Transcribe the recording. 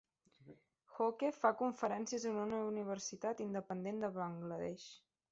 Hoque fa conferències en una universitat independent de Bangladesh.